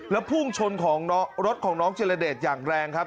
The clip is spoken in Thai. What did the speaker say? แล้วพุ่งชนของรถของน้องเจรเดชอย่างแรงครับ